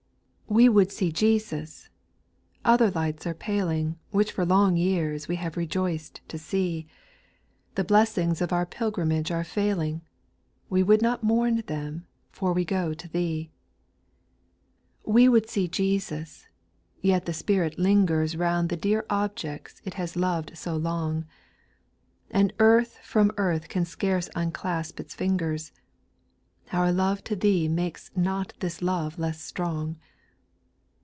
4. "We would see Jesus" — other lights are paling, Wliich for long years we have rejoiced to see ; SPIRITUAL SONGS. 889 The blessings of our pilgrimage are failing, We would not mourn them, for we go to Thee. 6. " We would see Jesus" — yet the spirit lingers Round the dear objects it has loved so long. And earth from earth can scarce unclasp its fingers. — Our love to Thee makes not this love less strong.